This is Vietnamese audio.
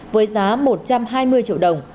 với giá một trăm hai mươi triệu đồng